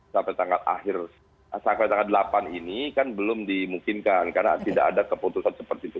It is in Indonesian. sampai tanggal delapan ini kan belum dimungkinkan karena tidak ada keputusan seperti itu